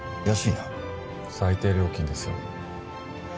安いな。最低料金ですよ。